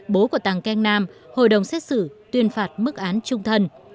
bố của tàng keng nam hội đồng xét xử tuyên phạt mức án trung thân